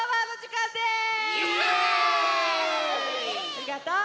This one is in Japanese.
ありがとう。